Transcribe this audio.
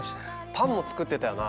パンも作ってたよな。